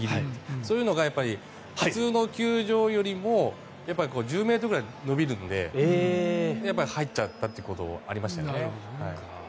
そういうのが普通の球場よりも１０ｍぐらい伸びるので入っちゃったということはありましたね。